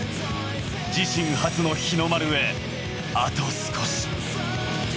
自身初の日の丸へあと少し。